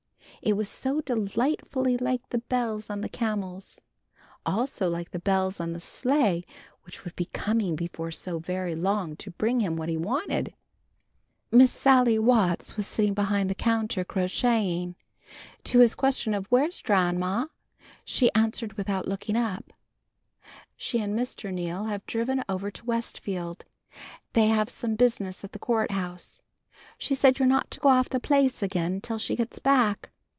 It was so delightfully like the bells on the camels, also like the bells on the sleigh which would be coming before so very long to bring him what he wanted. Miss Sally Watts was sitting behind the counter, crocheting. To his question of "Where's Dranma?" she answered without looking up. "She and Mr. Neal have driven over to Westfield. They have some business at the court house. She said you're not to go off the place again till she gets back.